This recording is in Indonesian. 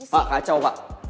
pak kacau pak